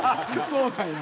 そうなんや。